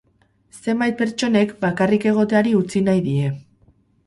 Zenbait pertsonek bakarrik egoteari utzi nahi die.